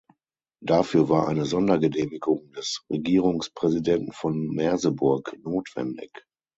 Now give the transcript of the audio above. Dafür war eine Sondergenehmigung des Regierungspräsidenten von Merseburg notwendig.